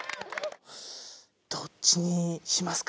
どっちにしますか？